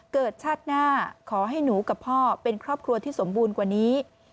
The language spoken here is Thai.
ชาติหน้าขอให้หนูกับพ่อเป็นครอบครัวที่สมบูรณ์กว่านี้